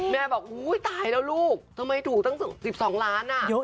แม่บอกอุ้ยตายแล้วลูกทำไมถูกตั้ง๑๒ล้านอ่ะ